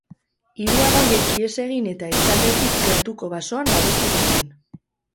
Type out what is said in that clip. Hiru anaiek ihes egin eta etxaldetik gertuko basoan babestu ziren.